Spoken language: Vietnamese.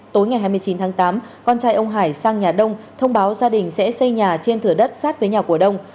tối ngày hai mươi chín tháng tám con trai ông hải sang nhà đông thông báo gia đình sẽ xây nhà trên thửa đất sát với nhà của đông